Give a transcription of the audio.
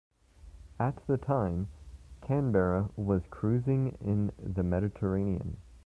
At the time, "Canberra" was cruising in the Mediterranean.